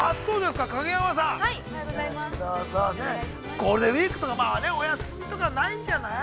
ゴールデンウイークとかお休みとかないんじゃない？